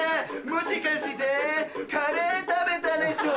もしかしてカレー食べたでしょ？